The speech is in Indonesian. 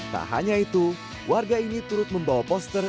tak hanya itu warga ini turut membawa poster